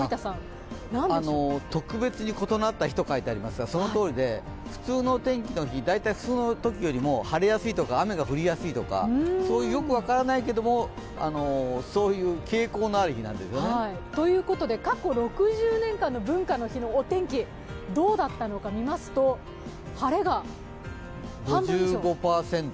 特別に異なった日と書いてありますが、そのとおりで特別に異なった日、そのとおりで普通より晴れやすいとか、雨が降りやすいとか、よく分からないけれどもそういう傾向のある日なんですよね。ということで過去６０年間の文化の日のお天気、どうだったのか見ますと、晴れが半分以上。